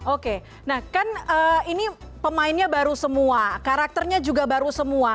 oke nah kan ini pemainnya baru semua karakternya juga baru semua